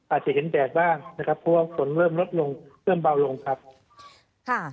อาจจะเห็นแดดบ้างเพราะว่าฝนเริ่มลดลงเพิ่มเบาลงครับ